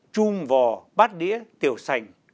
trung vò bát đĩa tiểu sành